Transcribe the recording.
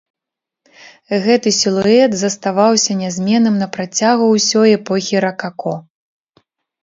Гэты сілуэт заставаўся нязменным на працягу ўсёй эпохі ракако.